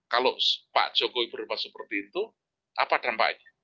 kalau pak jokowi berdebat seperti itu apa dampaknya